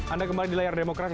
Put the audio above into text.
anda kembali di layar demokrasi